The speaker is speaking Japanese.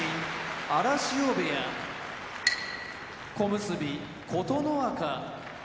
荒汐部屋小結・琴ノ若